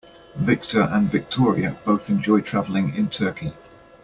Victor and Victoria both enjoy traveling in Turkey.